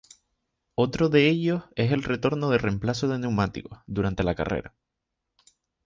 Otro de ellos es el retorno de reemplazo de neumáticos durante la carrera.